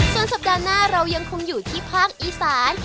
ส่วนสัปดาห์หน้าเรายังคงอยู่ที่ภาคอีสาน